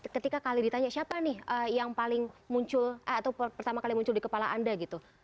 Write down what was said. ketika kali ditanya siapa nih yang paling muncul atau pertama kali muncul di kepala anda gitu